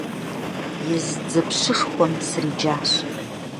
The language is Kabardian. Езы дзэпщышхуэм сриджащ!